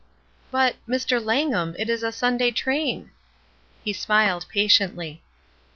*'But — Mr. Langham, it is a Sunday train!" He smiled patiently.